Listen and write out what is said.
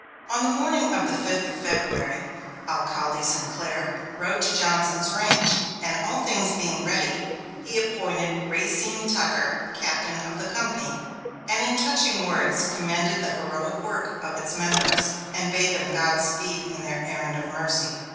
On the morning of the fifth of February, Alcalde Sinclair rode to Johnson's ranch, and all things being ready, he appointed Racine Tucker Captain of the company, and in touching words commended the heroic work of its members, and bade them godspeed on their errand of mercy.